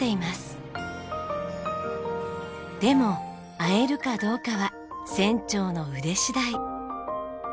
でも会えるかどうかは船長の腕次第。